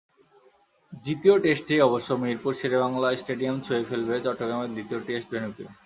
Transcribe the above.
দ্বিতীয় টেস্টেই অবশ্য মিরপুর শেরেবাংলা স্টেডিয়াম ছুঁয়ে ফেলবে চট্টগ্রামের দ্বিতীয় টেস্ট ভেন্যুকে।